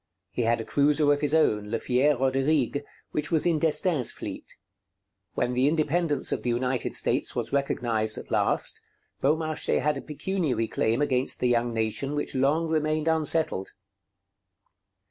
He had a cruiser of his own, Le Fier Roderigue, which was in D'Estaing's fleet. When the independence of the United States was recognized at last, Beaumarchais had a pecuniary claim against the young nation which long remained unsettled.